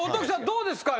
どうですか？